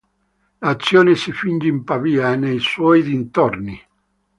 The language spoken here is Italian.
L'azione si finge in Pavia e nei suoi dintorni.